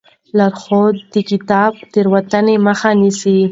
لارښود کتاب د تېروتنې مخه نیسي.